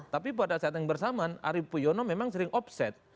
tapi pada saat yang bersamaan arief puyono memang sering offset